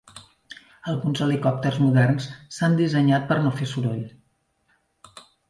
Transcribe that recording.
Alguns helicòpters moderns s'han dissenyat per no fer soroll.